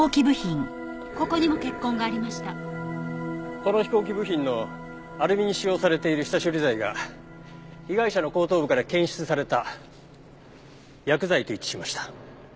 この飛行機部品のアルミに使用されている下処理剤が被害者の後頭部から検出された薬剤と一致しました。